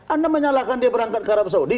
anda menyalahkan dia berangkat ke ramsudi